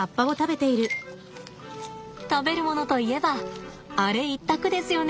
食べるものといえばアレ一択ですよね。